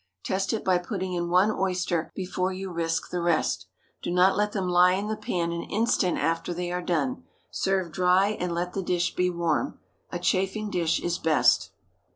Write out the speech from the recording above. Test it by putting in one oyster before you risk the rest. Do not let them lie in the pan an instant after they are done. Serve dry, and let the dish be warm. A chafing dish is best.